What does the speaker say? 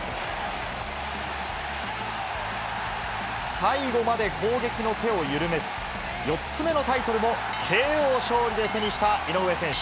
最後まで攻撃の手を緩めず、４つ目のタイトルもＫＯ勝利で手にした井上選手。